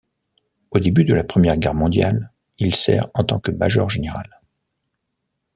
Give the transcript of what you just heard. Au début de la Première Guerre mondiale, il sert en tant que major-général.